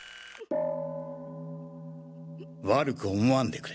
悪く思わんでくれ。